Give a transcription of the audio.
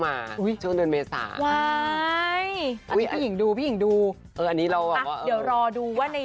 ไม่ใช่อ่าเล่าเลยละกัน